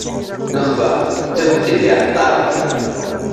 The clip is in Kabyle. Lexbar, ttawin-t-id iεeṭṭaren.